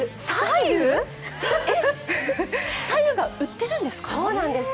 さ湯が売ってるんですか？